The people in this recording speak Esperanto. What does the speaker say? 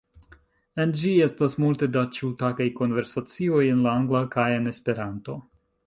En ĝi, estas multe da ĉiutagaj konversacioj en la Angla kaj en Esperanto.